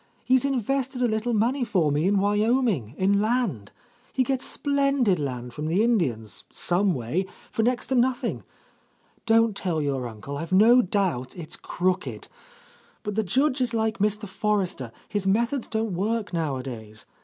He's invested a little money for me in Wyoming, in land. He gets splendid land from the Indians some way, for next to nothing. Don't tell your uncle ; I've no doubt it's crooked. But the Judge is like Mr. Forrester; his methods don't work nowadays.